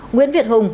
nguyên việt hùng